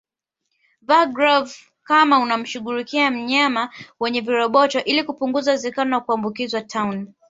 Vaa glavu kama unamshughulikia mnyama mwenye viroboto ili kupunguza uwezekano wa kuambukizwa tauni